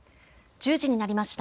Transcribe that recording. １０時になりました。